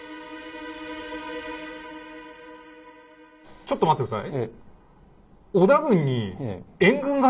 ちょっと待って下さい。